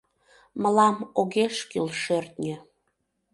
Мылам огеш кӱл шӧртньӧ